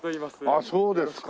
ああそうですか。